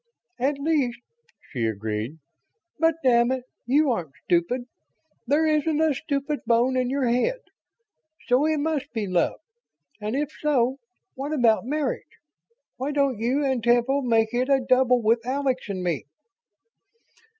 "At least," she agreed. "But damn it, you aren't stupid. There isn't a stupid bone in your head. So it must be love. And if so, what about marriage? Why don't you and Temple make it a double with Alex and me?"